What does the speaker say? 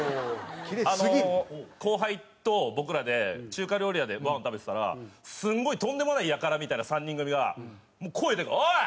後輩と僕らで中華料理屋でごはん食べてたらすごいとんでもないやからみたいな３人組がもう声でかい「おい！